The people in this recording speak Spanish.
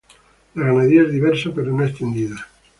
La ganadería es diversa, pero no extendida.